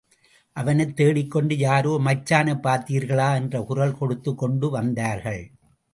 அவனைத் தேடிக்கொண்டு யாரோ மச்சானைப் பார்த்தீர்களா என்று குரல் கொடுத்துக் கொண்டு வந்தார்கள்.